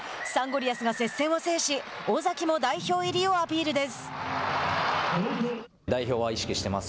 リアスが接戦を制し尾崎も代表入りをアピールです。